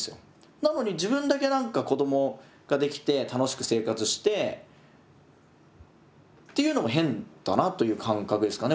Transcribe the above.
なのに自分だけ何か子どもができて楽しく生活してっていうのも変だなという感覚ですかね